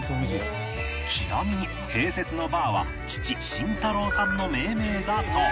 ちなみに併設のバーは父慎太郎さんの命名だそう